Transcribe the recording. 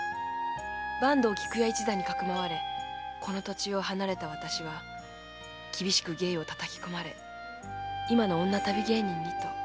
坂東菊弥一座にかくまわれこの土地を離れた私は厳しく芸を叩き込まれ今の女旅芸人へと。